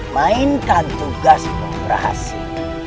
mainkan tugasmu berhasil